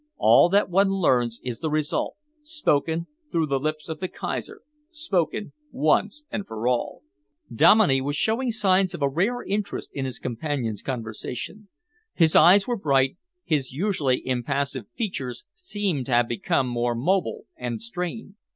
All that one learns is the result, spoken through the lips of the Kaiser, spoken once and for all." Dominey was showing signs of a rare interest in his companion's conversation. His eyes were bright, his usually impassive features seemed to have become more mobile and strained.